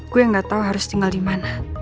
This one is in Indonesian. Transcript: gue gak tau harus tinggal di mana